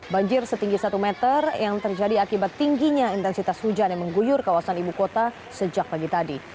banjir setinggi satu meter yang terjadi akibat tingginya intensitas hujan yang mengguyur kawasan ibu kota sejak pagi tadi